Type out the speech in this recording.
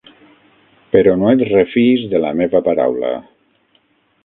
Però no et refiïs de la meva paraula!